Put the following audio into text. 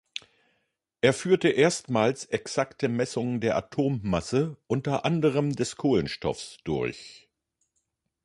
Er führte erstmals exakte Messungen der Atommasse, unter anderem des Kohlenstoffs durch.